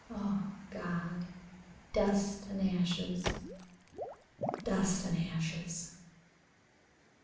Oh, God! Dust and ashes! Dust and ashes!